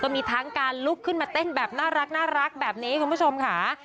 มีทั้งการลุกขึ้นมาเต้นแบบน่ารักแบบนี้คุณผู้ชมค่ะ